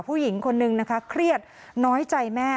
ผู้หญิงคนนึงนะคะเครียดน้อยใจแม่